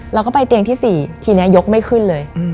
เราก็ไปเตียงที่๔ทีนี้ยกไม่ขึ้นเลย